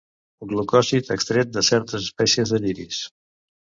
Glucòsid extret de certes espècies de lliris.